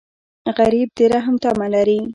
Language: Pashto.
غریب د رحم تمه لري